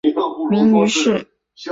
因比萨斜塔闻名于世。